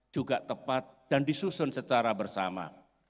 juga tepat dan disusun secara bersama